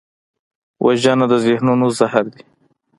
وژنه د ذهنونو زهر دی